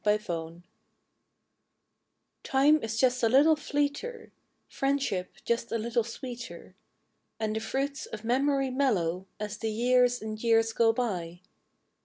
A597234 IME is "just a little fleeter; priendship just a little sweeter; And the jruits of memoru mellcrcO ' I As the Ljears and Ejears ao btj.